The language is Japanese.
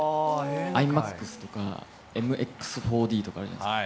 ＩＭＡＸとか、ＭＸ４Ｄとかあるじゃないですか。